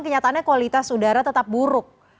kenyataannya kualitas udara tetap buruk